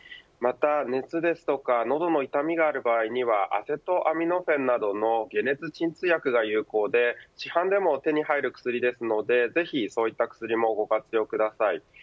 また熱ですとか喉の痛みがある場合にはアセトアミノフェンなどの解熱鎮痛薬が有効で市販でも手に入る薬ですのでぜひ、そういった薬もご活用ください。